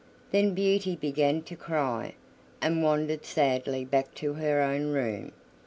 Then Beauty began to cry, and wandered sadly back to her own room.